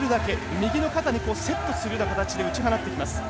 右の肩にセットするような形で打ち払ってきます。